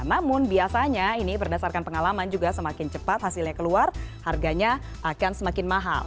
namun biasanya ini berdasarkan pengalaman juga semakin cepat hasilnya keluar harganya akan semakin mahal